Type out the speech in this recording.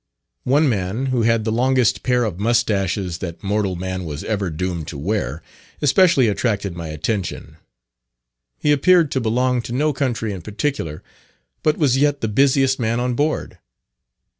One man who had the longest pair of mustaches that mortal man was ever doomed to wear, especially attracted my attention. He appeared to belong to no country in particular, but was yet the busiest man on board.